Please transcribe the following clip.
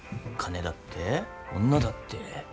金だって女だって。